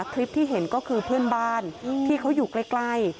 คลิปที่เห็นก็คือเพื่อนบ้านที่เขาอยู่ใกล้